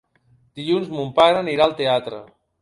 Dilluns mon pare anirà al teatre.